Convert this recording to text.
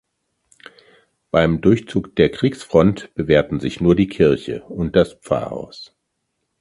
Beim Durchzug der Kriegsfront bewährten sich nur die Kirche und das Pfarrhaus.